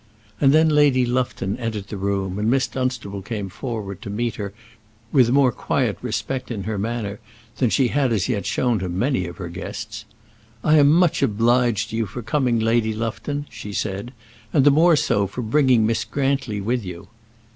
And then Lady Lufton entered the room, and Miss Dunstable came forward to meet her with more quiet respect in her manner than she had as yet shown to many of her guests. "I am much obliged to you for coming, Lady Lufton," she said, "and the more so, for bringing Miss Grantly with you."